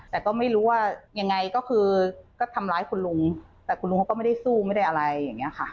แต่ก็ไม่รู้ว่ายังไงก็คือก็ทำร้ายคุณลุงแต่คุณลุงเขาก็ไม่ได้สู้ไม่ได้อะไรอย่างนี้ค่ะ